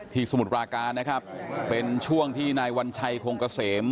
ที่สมุดปราการเป็นช่วงที่นายหวันไชโคงกระเสม